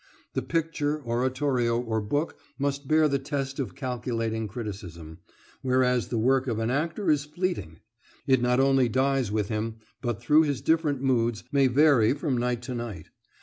The picture, oratorio, or book must bear the test of calculating criticism, whereas the work of an actor is fleeting: it not only dies with him, but, through his different moods, may vary from night to night.